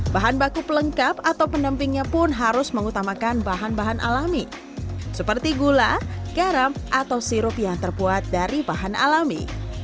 bahan baku pelengkap atau pendampingnya pun harus mengutamakan bahan bahan alami seperti gula garam atau sirup yang terbuat dari bahan alami